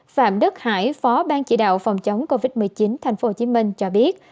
phạm đức hải phó ban chỉ đạo phòng chống covid một mươi chín tp hcm cho biết